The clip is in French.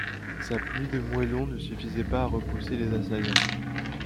Sa pluie de moellons ne suffisait pas à repousser les assaillants.